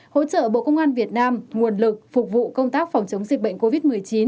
hỗ trợ bộ công an việt nam nguồn lực phục vụ công tác phòng chống dịch bệnh covid một mươi chín